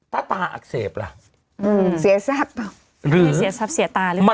ตาอักเสบล่ะอืมเสียทรัพย์เปล่าเสียทรัพย์เสียตาหรือเปล่า